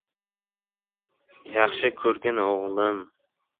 — Yaxshi ko‘rgin, o‘g‘lim.